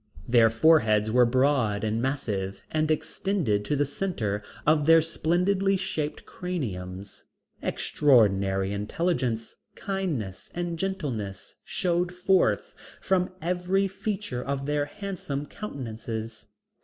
Their foreheads were broad and massive and extended to the center of their splendidly shaped craniums. Extraordinary intelligence, kindness and gentleness showed forth from every feature of their handsome countenances.